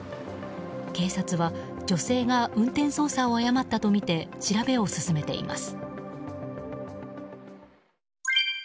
警察は女性が運転操作を誤ったとみて調べを進めています。